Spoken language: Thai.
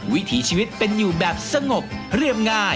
วิถีชีวิตเป็นอยู่แบบสงบเรียบง่าย